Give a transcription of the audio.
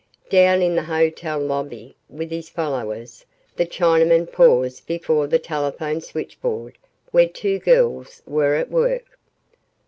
Down in the hotel lobby, with his followers, the Chinaman paused before the telephone switchboard where two girls were at work.